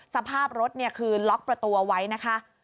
สภาพรถคือล็อกประตูเอาไว้นะคะ